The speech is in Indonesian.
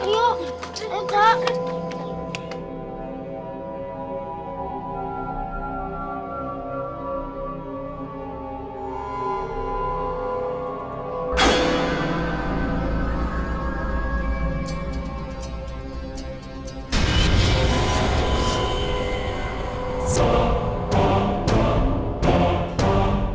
yuk kita cari